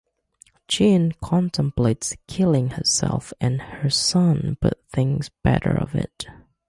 Jin contemplates killing herself and her son but thinks better of it.